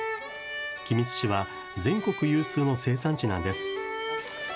君津市は全国有数の生産地なんです。